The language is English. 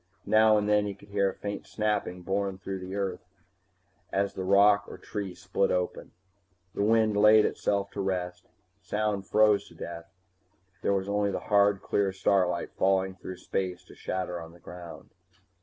Now and then he could hear a faint snapping borne through the earth as rock or tree split open. The wind laid itself to rest, sound froze to death, there was only the hard clear starlight falling through space to shatter on the ground.